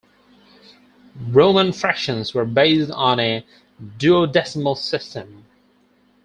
Roman fractions were based on a duodecimal system.